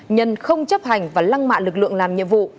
nhân không chấp hành và lăng mạ lực lượng làm nhiệm vụ